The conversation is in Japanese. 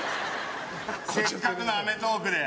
せっかくの『アメトーーク』で。